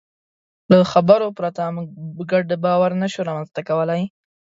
له خبرو پرته موږ ګډ باور نهشو رامنځ ته کولی.